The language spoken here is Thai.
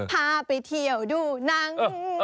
พาไปเที่ยวดูหนัง